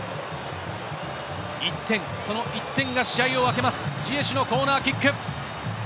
１点、その１点が試合を分けます、ジエシュのコーナーキック。